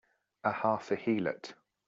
A half a heelot!